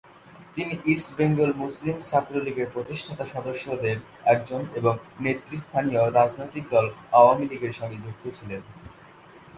তিনি ইস্ট বেঙ্গল মুসলিম ছাত্রলীগের প্রতিষ্ঠাতা সদস্যদের একজন এবং নেতৃস্থানীয় রাজনৈতিক দল আওয়ামী লীগের সঙ্গে যুক্ত ছিলেন।